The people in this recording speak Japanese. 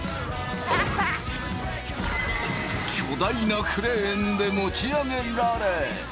巨大なクレーンで持ち上げられ。